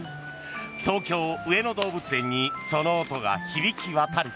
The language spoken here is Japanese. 東京・上野動物園にその音が響き渡る。